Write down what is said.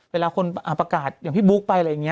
เวลาคนประกาศอย่างพี่บุ๊กไปอะไรอย่างนี้